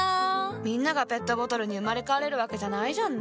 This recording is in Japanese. みんながペットボトルに生まれ変われるわけじゃないじゃんね。